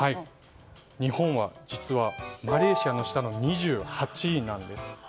日本は実はマレーシアの下の２８位なんです。